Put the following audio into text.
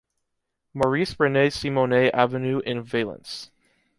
Maurice René Simonet Avenue in Valence